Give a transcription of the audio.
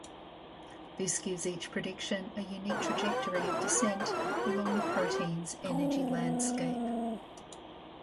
This gives each prediction a unique trajectory of descent along the protein's energy landscape.